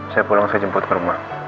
saya pulang saya jemput ke rumah